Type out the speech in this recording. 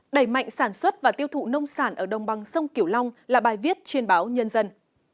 đẩy mạnh sản xuất và tiêu thụ nông sản ở đồng bằng sông kiểu long là bài viết trên báo nhân dân